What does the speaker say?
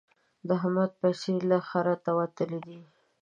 د احمد پيسې له خرته وتلې دي.